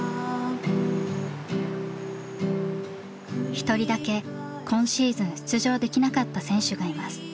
一人だけ今シーズン出場できなかった選手がいます。